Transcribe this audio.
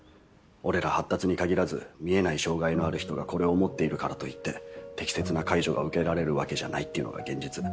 俺ら発達に限らず見えない障害のある人がこれを持っているからといって適切な介助が受けられるわけじゃないってのが現実。